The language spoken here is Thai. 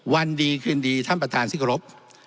วันดีคืนดีท่านประธานที่กรบ